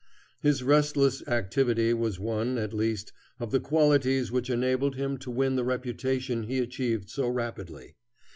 His restless activity was one, at least, of the qualities which enabled him to win the reputation he achieved so rapidly.